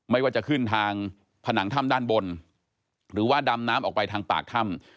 ไม่ว่าจะขึ้นทางผนังถ้ำด้านบนหรือว่าดำน้ำออกไปทางปากถ้ำ